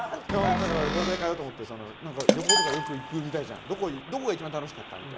だから、話題を変えようと思って旅行とかよく行くみたいじゃんどこが一番楽しかった？って。